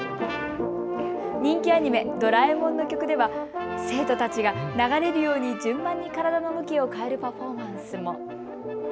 人気アニメ、ドラえもんの曲では生徒たちが流れるように順番に体の向きを変えるパフォーマンスも。